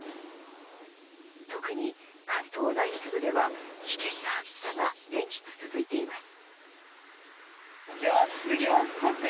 特に関東内陸部では危険な暑さが連日続いています。